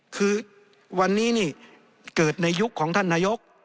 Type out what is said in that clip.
คือวันนี้นี่เกิดในยุคของท่านนายก